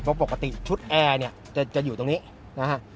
เพราะปกติชุดแอร์เนี่ยจะอยู่ตรงนี้นะฮะ